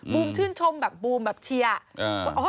ชื่นชมแบบบูมแบบเชียร์